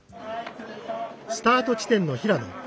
スタート地点の平野。